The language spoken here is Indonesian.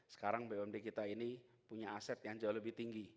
sekarang bumd kita ini punya aset yang jauh lebih tinggi